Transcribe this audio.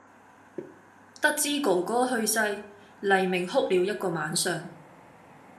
得知“哥哥”去世，黎明哭了一個晚上。